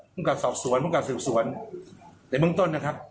พรุ่งกับสอบสวนพรุ่งกับศิษย์สวนในบีงต้นนะครับ